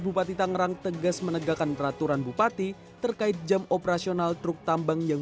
bupati tangerang tegas menegakkan peraturan bupati terkait jam operasional dan perjalanan ke bupati tangerang